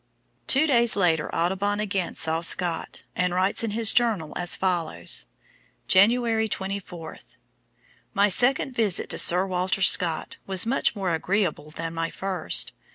'" Two days later Audubon again saw Scott, and writes in his journal as follows: "January 24. My second visit to Sir Walter Scott was much more agreeable than my first.